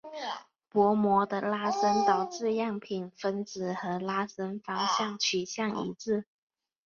薄膜的拉伸导致样品分子和拉伸方向取向一致。